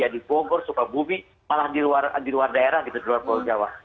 di bogor soekar bumi malah di luar daerah gitu di luar bawang jawa